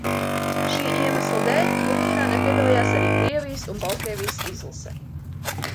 Šī iemesla dēļ turnīrā nepiedalījās arī Krievijas un Baltkrievijas izlase.